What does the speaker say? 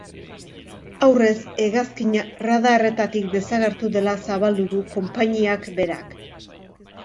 Aurrez, hegazkina radarretatik desagertu dela zabaldu du konpainiak berak.